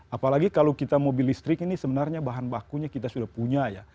apalagi kalau kita mobil listrik ini sebenarnya bahan bakunya kita sudah punya ya